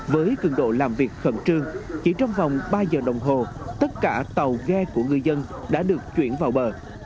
với cường độ làm việc khẩn trương chỉ trong vòng ba giờ đồng hồ tất cả tàu ghe của ngư dân đã được chuyển vào bờ